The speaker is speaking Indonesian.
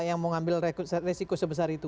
yang mau ambil resiko sebesar itu